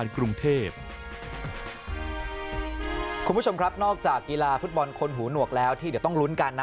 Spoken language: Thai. คุณผู้ชมครับนอกจากกีฬาฟุตบอลคนหูหนวกแล้วที่เดี๋ยวต้องลุ้นกันนะ